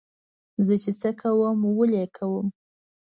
زه چې څه کوم ولې یې کوم.